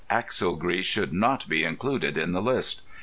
Axle grease should not be included in the list.